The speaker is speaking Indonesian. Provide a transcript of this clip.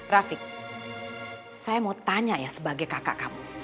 rafiq saya mau tanya ya sebagai kakak kamu